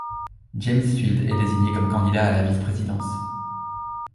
James Field est désigné comme candidat à la vice-présidence.